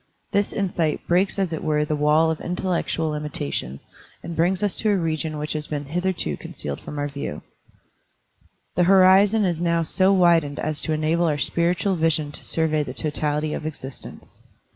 This insight breaks as it were the wall of intellectual limitation and brings us to a region which has been hitherto concealed from our view. The 132 Digitized by Google SPIRITUAL ENLIGHTENMENT 1 33 horizon is now so widened as to enable our spir itual vision to survey the totality of existence.